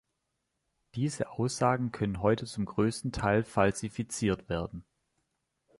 Diese Aussagen können heute zum größten Teil falsifiziert werden.